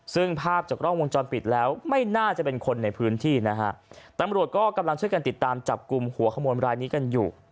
ซึ่งภาพจากกล้องวงจรปิดแล้วไม่น่าจะเป็นคนในพื้นที่นะฮะตำรวจก็กำลังช่วยกันติดตามจับกลุ่มหัวขโมยรายนี้กันอยู่